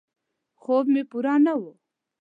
خوب مې پوره نه و.